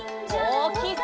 おおきく！